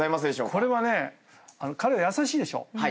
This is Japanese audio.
これはね彼優しいでしょ？